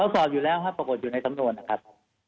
สอบอยู่แล้วครับปรากฏอยู่ในสำนวนนะครับ